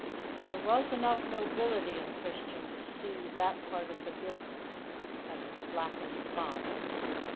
There was enough nobility in Christian to see that part of the business as its blackest spot.